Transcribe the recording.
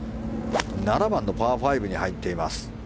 ７番のパー５に入っています。